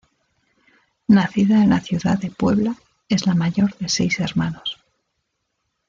Nacida en la Ciudad de Puebla, es la mayor de seis hermanos.